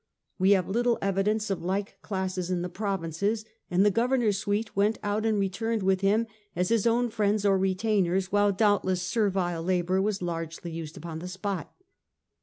We have little evidence of like classes in the provinces, and the governor's suite went out and returned with him as his own friends or retainers, while doubtless servile labour was largely used upon the spot.